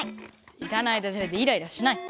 いらないダジャレでイライラしない。